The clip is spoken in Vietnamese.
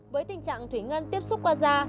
với tình trạng thủy ngân tiếp xúc qua da